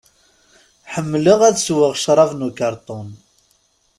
Ḥemmleɣ ad sweɣ crab n ukarṭun.